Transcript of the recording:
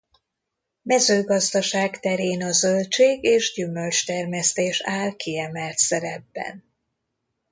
Mezőgazdaság terén a zöldség- és gyümölcstermesztés áll kiemelt szerepben.